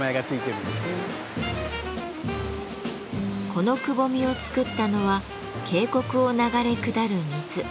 このくぼみを作ったのは渓谷を流れ下る水。